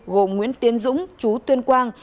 gồm nguyễn tiến dũng chú tuyên quang